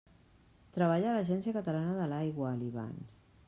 Treballa a l'Agència Catalana de l'Aigua, l'Ivan.